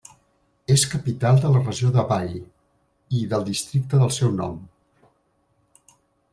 És capital de la regió de Bay, i del districte del seu nom.